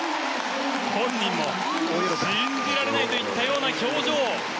本人も信じられないといったような表情。